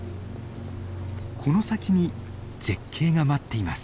この先に絶景が待っています。